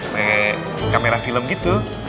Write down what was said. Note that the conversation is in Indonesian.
kayak kamera film gitu